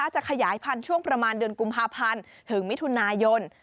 จะขยายพันธุ์ช่วงประมาณเดือนกุมภาพันธ์ถึงมิถุนายน